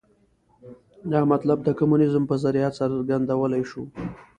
دا مطلب د کمونیزم په ذریعه څرګندولای شو.